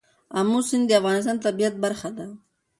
آمو سیند د افغانستان د طبیعت برخه ده.